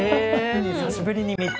久しぶりに見た。